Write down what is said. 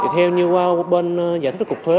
theo như bên giải thích cục thuế